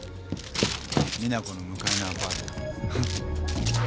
実那子の向かいのアパートで。